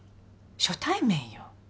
初対面よ。